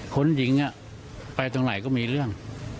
คนหญิงไปตรงไหนก็มีเรื่อง